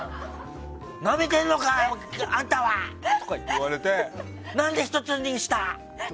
なめてんのか、あんたは！とか言われて何で１つにした！って。